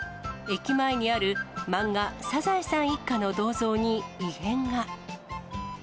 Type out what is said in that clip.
駅前にある漫画、サザエさん一家の銅像に異変が。